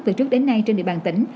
từ trước đến nay trên địa bàn tỉnh